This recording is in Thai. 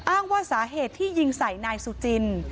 อ้างว่าสาเหตุที่ยิงใส่นายสุจิน